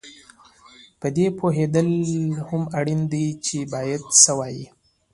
په دې پوهېدل هم اړین دي چې باید څه ووایې